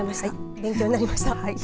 勉強になりました。